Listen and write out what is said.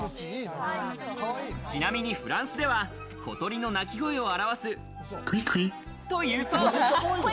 ちなみにフランスでは小鳥の鳴き声を表す、キュイキュイというそうです。